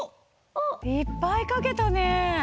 いっぱい描けたね！